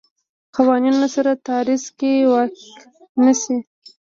قوانونو سره تعارض کې واقع نه شي.